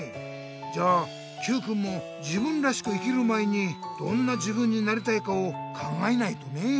じゃあＱくんも自分らしく生きる前にどんな自分になりたいかを考えないとね。